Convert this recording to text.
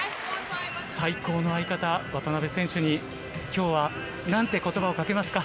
最高の相方、渡辺選手に今日は何て言葉をかけますか。